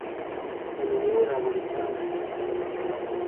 تنوع د افغانستان د شنو سیمو ښکلا ده.